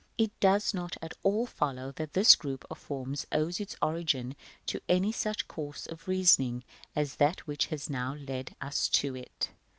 § XII. It does not at all follow that this group of forms owes its origin to any such course of reasoning as that which has now led us to it.